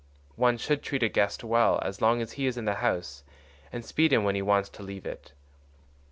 One should treat a guest well as long as he is in the house and speed him when he wants to leave it.